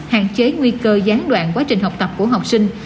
hạn chế nguy cơ gián đoạn quá trình học tập của học sinh